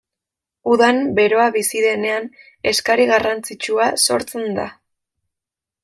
Udan beroa bizia denean eskari garrantzitsua sortzen da.